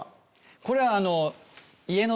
これあの。